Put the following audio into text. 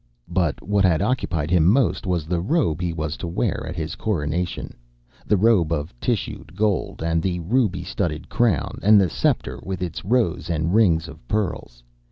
But what had occupied him most was the robe he was to wear at his coronation, the robe of tissued gold, and the ruby studded crown, and the sceptre with its rows and rings of pearls.